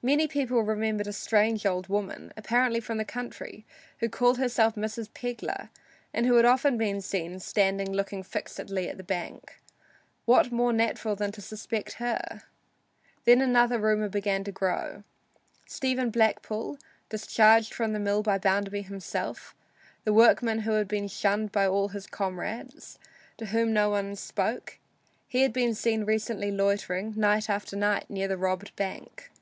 Many people remembered a strange old woman, apparently from the country, who called herself "Mrs. Pegler," and who had often been seen standing looking fixedly at the bank. What more natural than to suspect her? Then another rumor began to grow. Stephen Blackpool, discharged from the mill by Bounderby himself the workman who had been shunned by all his comrades, to whom no one spoke he had been seen recently loitering, night after night, near the robbed bank.